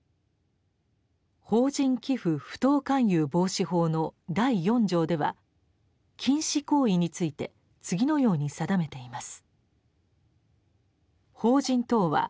「法人寄附不当勧誘防止法」の第四条では禁止行為について次のように定めています。